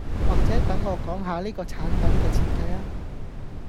或者等我講吓呢個產品嘅設計吖